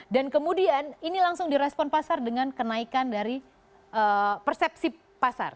dan kemudian ini langsung di respon pasar dengan kenaikan dari persepsi pasar